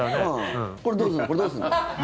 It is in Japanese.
これ、どうするの？